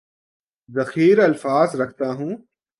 ذخیرہ الفاظ رکھتا ہوں